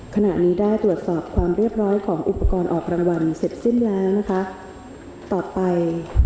ขณะนี้ได้ตรวจสอบความเรียบร้อยของอุปกรณ์ออกรางวัลเสร็จสิ้นแล้วนะคะต่อไป